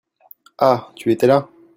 Ah ! Tu es étais là ?